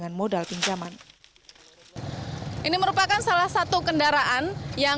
ya jika tidak petani terpaksa diberi kekuatan